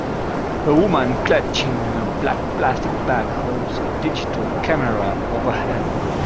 A woman clutching a black plastic bag holds a digital camera overhead.